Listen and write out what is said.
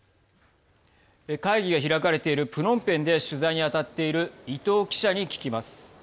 会議が開かれているプノンペンで取材に当たっている伊藤記者に聞きます。